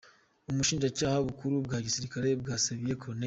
Ubushinjacyaha Bukuru bwa Gisirikare bwasabiye Col.